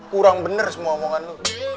kurang bener semua omongan lo